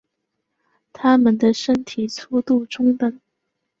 它们的身体粗度中等。